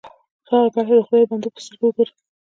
سوالګر ته د خدای د بندو په سترګه وګورئ